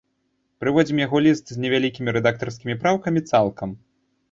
Прыводзім яго ліст з невялікімі рэдактарскімі праўкамі цалкам.